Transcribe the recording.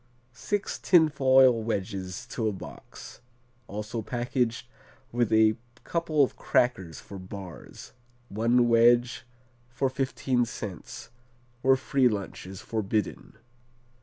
Six tin foil wedges to a box; also packaged with a couple of crackers for bars, one wedge for fifteen cents, where free lunch is forbidden.